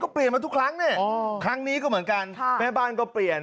เปลี่ยนมาทุกครั้งเนี่ยครั้งนี้ก็เหมือนกันแม่บ้านก็เปลี่ยน